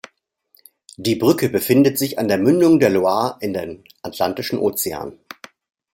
Die Brücke befindet sich an der Mündung der Loire in den Atlantischen Ozean.